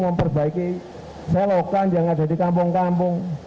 memperbaiki selokan yang ada di kampung kampung